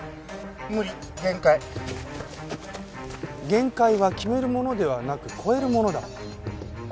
限界は決めるものではなく超えるものだ。